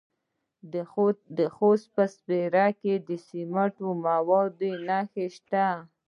د خوست په سپیره کې د سمنټو مواد شته.